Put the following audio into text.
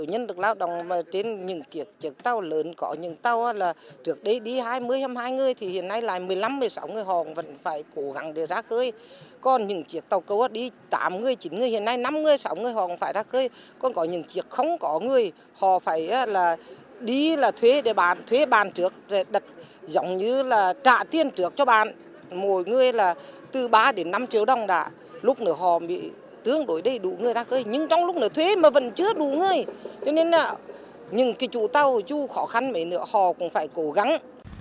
họ bị tương đối đầy đủ người ra khơi nhưng trong lúc này thuế mà vẫn chưa đủ người cho nên là những chủ tàu chú khó khăn mấy nữa họ cũng phải cố gắng